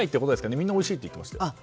みんな、おいしいって言ってましたよ。